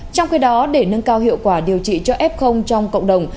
trong khi đó để nâng cao hiệu quả điều trị cho f trong cộng đồng